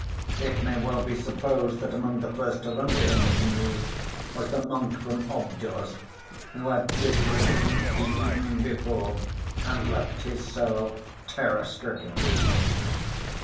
It may well be supposed that among the first to run to him with the news was the monk from Obdorsk, who had visited him the evening before and left his cell terror‐stricken.